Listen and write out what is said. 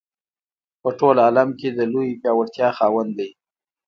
په ټول عالم کې د لویې پیاوړتیا خاوند دی.